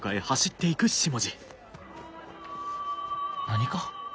何か？